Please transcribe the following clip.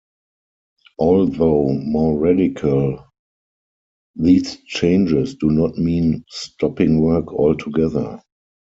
Although more radical, these changes do not mean stopping work altogether.